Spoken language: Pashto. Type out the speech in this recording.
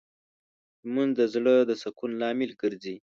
لمونځ د زړه د سکون لامل ګرځي